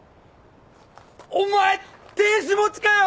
お前亭主持ちかよ！